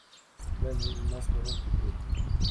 Blaine es más joven que Kurt?